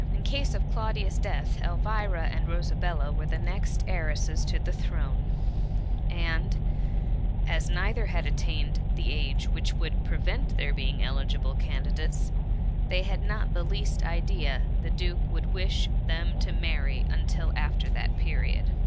In case of Claudia's death, Elvira and Ro sabella were the next heiresses to the throne; and as neither had attained the age which would prevent their being eligible candidates, they had not the least idea the duke would wish them to marry until after that period.